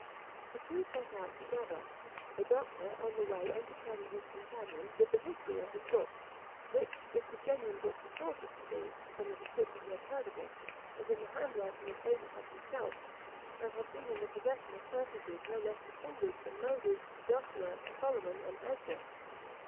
The two set out together; the doctor on the way entertaining his companion with the history of his book, which, if the genuine book he thought it to be, from the description he had heard of it, was in the handwriting of Abraham himself, and had been in the possession of personages no less distinguished than Moses, Joshua, Solomon, and Esdras.